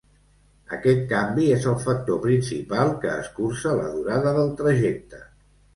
Aquest canvi és el factor principal que escurça la durada del trajecte.